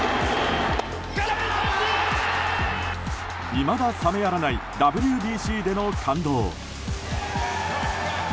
いまだ冷めやらないＷＢＣでの感動。